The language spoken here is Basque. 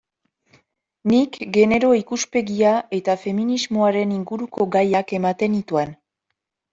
Nik genero ikuspegia eta feminismoaren inguruko gaiak ematen nituen.